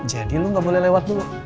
jadi lo gak boleh lewat dulu